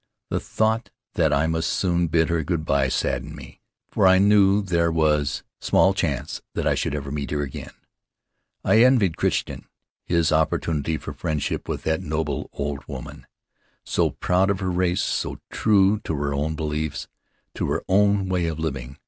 The thought that I must soon bid her good by saddened me, for I knew there was Faery Lands of the South Seas small chance that I should ever meet her again. I envied Crichton his opportunity for friendship with that noble old woman, so proud of her race, so true to her own beliefs, to her own way of living.